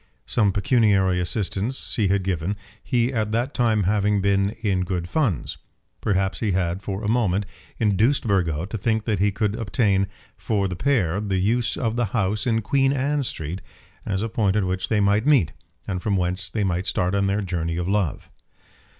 Some pecuniary assistance he had given, he at that time having been in good funds. Perhaps he had for a moment induced Burgo to think that he could obtain for the pair the use of the house in Queen Anne Street as a point at which they might meet, and from whence they might start on their journey of love.